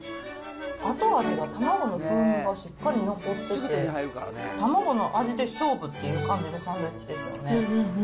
後味がたまごの風味がしっかり残ってて、たまごの味で勝負っていう感じのサンドイッチですよね。